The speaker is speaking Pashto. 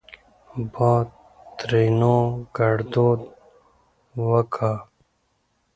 باد؛ ترينو ګړدود وګا